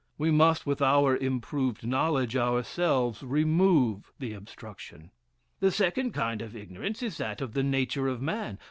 We must, with our improved knowledge, ourselves remove the obstruction.) "The second kind of ignorance is that of the nature of man.